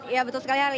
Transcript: ya betul sekali